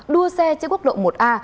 đua xe trên quốc lộ một a